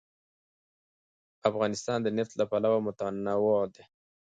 افغانستان د نفت له پلوه متنوع دی.